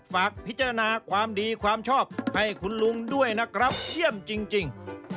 ฝากพิจารณาความดีความชอบให้คุณลุงด้วยนะครับเยี่ยมจริง